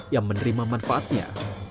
yang menerima manfaatnya